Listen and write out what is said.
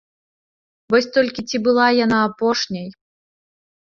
Вось толькі ці была яна апошняй.